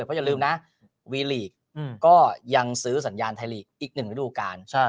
เพราะอย่าลืมนะอืมก็ยังซื้อสัญญาณไทยลีกอีกหนึ่งไปดูกันใช่